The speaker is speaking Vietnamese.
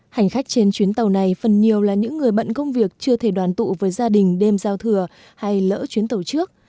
hành khách trên chuyến tàu này phần nhiều là những người bận công việc chưa thể đoàn tụ với gia đình đêm giao thừa hay lỡ chuyến tàu trước